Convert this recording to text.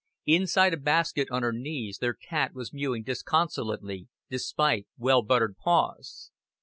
Inside a basket on her knees their cat was mewing disconsolately, despite well buttered paws.